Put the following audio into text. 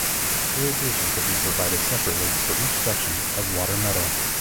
Irrigation could be provided separately for each section of water-meadow.